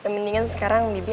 mendingan sekarang bibi